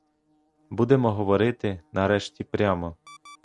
Будемо говорити, нарешті, прямо.